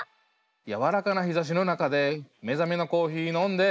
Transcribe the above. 「やわらかな日差しの中で目覚めのコーヒーのんで」